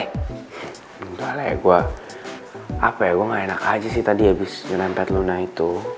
entahlah ya gua apa ya gua gak enak aja sih tadi abis cunan pet luna itu